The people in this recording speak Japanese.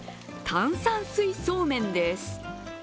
炭酸水そうめんです。